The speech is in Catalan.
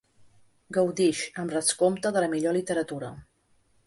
Gaudix, amb descompte, de la millor literatura.